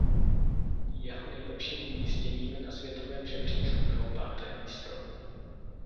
Jeho nejlepším umístěním na světovém žebříčku bylo páté místo.